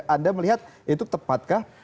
anda melihat itu tepatkah